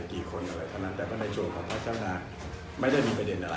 กี่คนอะไรเท่านั้นแต่ว่าในส่วนของพัฒนาไม่ได้มีประเด็นอะไร